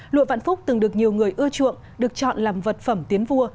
lụa vạn phúc từng được nhiều người ưa chuộng được chọn làm vật phẩm tiến vua